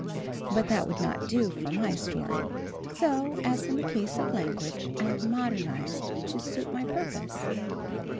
But that would not do for my story. So, as in the case of language, I have modernized to suit my purpose.